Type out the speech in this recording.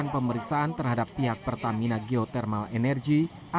sementara itu badan lingkungan hidup atau blh kabupaten lebong akan memeriksa